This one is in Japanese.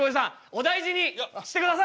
お大事にしてください！